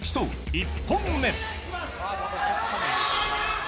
１本目。